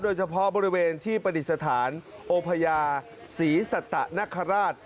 โดยเฉพาะบริเวณที่ปฏิสถานองค์พญาศรีศตะนครราช